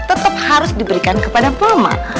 tetep harus diberikan kepada perempuan